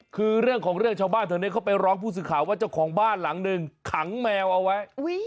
คือเรื่องของเรื่องชาวบ้านแถวนี้เขาไปร้องผู้สื่อข่าวว่าเจ้าของบ้านหลังหนึ่งขังแมวเอาไว้